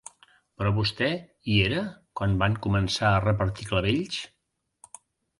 Però vostè hi era, quan van començar a repartir clavells?